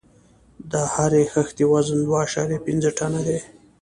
د هرې خښتې وزن دوه اعشاریه پنځه ټنه دی.